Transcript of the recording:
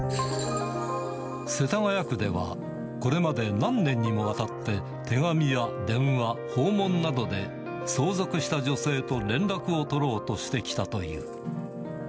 世田谷区では、これまで、何年にもわたって手紙や電話、訪問などで、相続した女性と連絡を取ろうとしてきたという。